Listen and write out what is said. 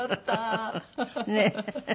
ねえ。